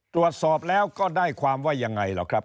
ตรวจสอบแล้วก็ได้ความว่ายังไงหรอกครับ